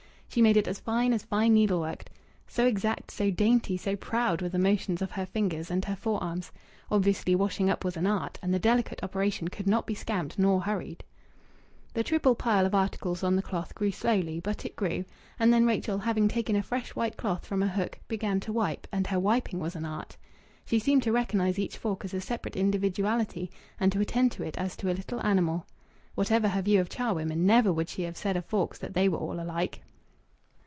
She made it as fine as fine needlework so exact, so dainty, so proud were the motions of her fingers and her forearms. Obviously washing up was an art, and the delicate operation could not be scamped nor hurried ... The triple pile of articles on the cloth grew slowly, but it grew; and then Rachel, having taken a fresh white cloth from a hook, began to wipe, and her wiping was an art. She seemed to recognize each fork as a separate individuality, and to attend to it as to a little animal. Whatever her view of charwomen, never would she have said of forks that they were all alike.